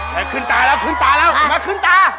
เฮ้ยขึ้นตาแล้วขึ้นตามันนะขึ้นตา